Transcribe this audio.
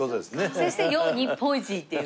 そして「よっ日本一！」って言う。